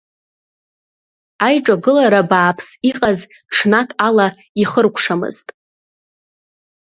Аиҿагылара бааԥс иҟаз ҽнак ала ихыркәшамызт.